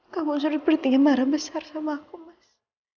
kamu sering bertingin marah besar sama aku mas